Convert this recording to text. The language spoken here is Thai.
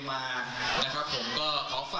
และยังเกมยาว